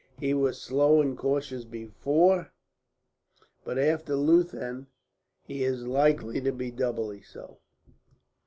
He was slow and cautious before, but after Leuthen he is likely to be doubly so.